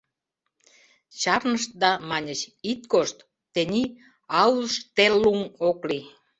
Чарнышт да маньыч: «Ит кошт, тений аусштеллуҥ ок лий.